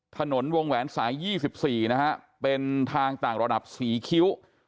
ถนนวงแหวนสายยี่สิบสี่นะฮะเป็นทางต่างระดับสี่คิ้ว